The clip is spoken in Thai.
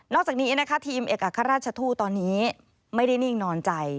จากนี้นะคะทีมเอกอัครราชทูตตอนนี้ไม่ได้นิ่งนอนใจ